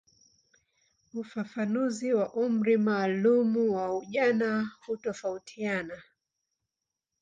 Ufafanuzi wa umri maalumu wa ujana hutofautiana.